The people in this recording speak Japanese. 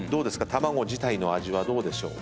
卵自体の味はどうでしょう？